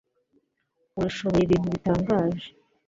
urashoboye ibintu bitangaje